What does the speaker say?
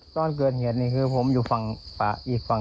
ตอนเกิดเหตุนี่คือผมอยู่ฝั่งอีกฝั่ง